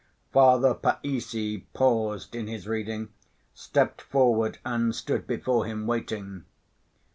Father Païssy paused in his reading, stepped forward and stood before him waiting.